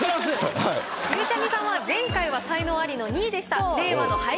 ゆうちゃみさんは前回は才能アリの２位でした。